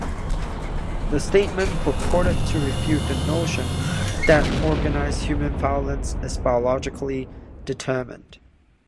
The statement purported to refute "the notion that organized human violence is biologically determined".